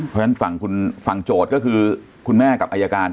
เพราะฉะนั้นฝั่งโจทย์ก็คือคุณแม่กับอายการ